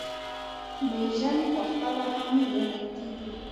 بیژن پخپله هم لېونی کیږي.